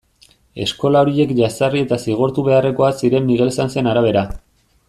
Eskola horiek jazarri eta zigortu beharrekoak ziren Miguel Sanzen arabera.